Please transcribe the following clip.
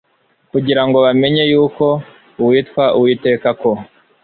kugira ngo bamenye yuko uwitwa uwiteka ko